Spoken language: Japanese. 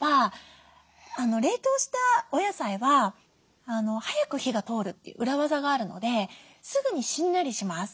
冷凍したお野菜は早く火が通るっていう裏技があるのですぐにしんなりします。